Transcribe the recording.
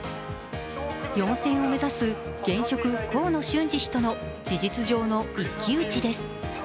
４選を目指す現職、河野俊嗣氏との事実上の一騎打ちです。